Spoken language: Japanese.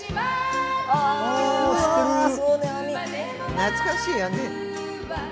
懐かしいやね。